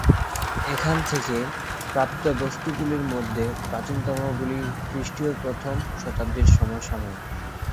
এখান থেকে প্রাপ্ত বস্তুগুলির মধ্যে প্রাচীনতম গুলি খ্রিস্টীয় প্রথম শতাব্দীর সমসাময়িক।